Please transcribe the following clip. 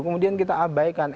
kemudian kita abaikan